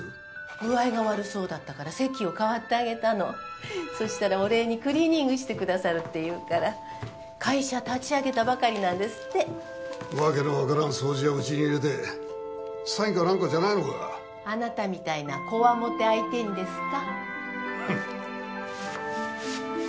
具合が悪そうだったから席をかわってあげたのそしたらお礼にクリーニングしてくださるって言うから会社立ち上げたばかりなんですって訳の分からん掃除屋をうちに入れて詐欺か何かじゃないのかあなたみたいなこわもて相手にですか？